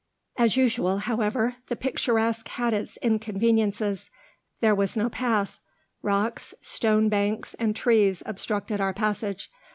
As usual, however, the picturesque had its inconveniences. There was no path. Rocks, stone banks, and trees obstructed our passage.